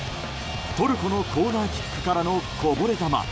トルコのコーナーキックからのこぼれ球。